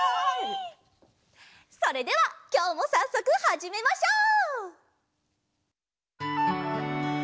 それではきょうもさっそくはじめましょう！